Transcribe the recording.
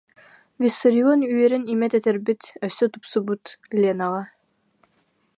Виссарион үөрэн имэ тэтэрбит, өссө тупсубут ленаҕа: